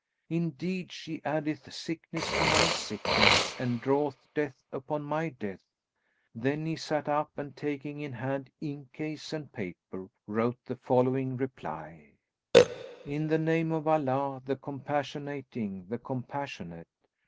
Indeed she addeth sickness to my sickness and draweth death upon my death!" Then he sat up and taking in hand ink case and paper, wrote the following reply, "In the name of Allah, the Compassionating, the Compassionate!